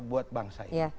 buat bangsa ini